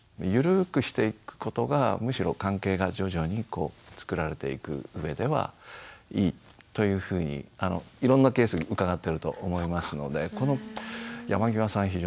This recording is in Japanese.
緩くしていくことがむしろ関係が徐々にこうつくられていく上ではいいというふうにいろんなケースうかがってると思いますのでこの山際さん